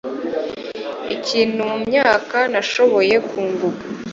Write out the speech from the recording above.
Ikintu mumyaka nashoboye kunguka